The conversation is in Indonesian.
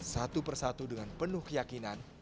satu persatu dengan penuh keyakinan